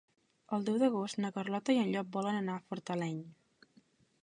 El deu d'agost na Carlota i en Llop volen anar a Fortaleny.